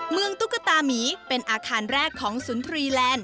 ตุ๊กตามีเป็นอาคารแรกของสุนทรีแลนด์